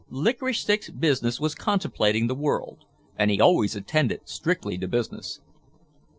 Licorice Stick's business was contemplating the world and he always attended strictly to business.